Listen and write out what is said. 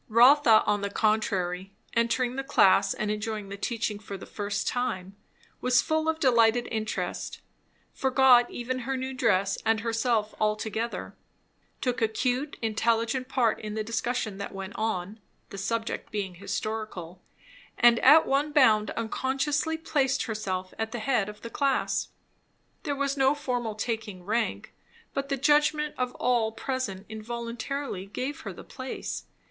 Rotha on the contrary, entering the class and enjoying the teaching for the first time, was full of delighted interest; forgot even her new dress and herself altogether; took acute, intelligent part in the discussion that went on, (the 'subject being historical) and at one bound unconsciously placed herself at the head of the class. There was no formal taking rank, but the judgment of all present involuntarily gave her the place.